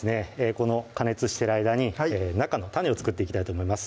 この加熱してる間に中の種を作っていきたいと思います